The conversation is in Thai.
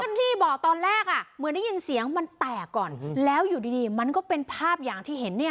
ที่บอกตอนแรกอ่ะเหมือนได้ยินเสียงมันแตกก่อนแล้วอยู่ดีมันก็เป็นภาพอย่างที่เห็นเนี่ย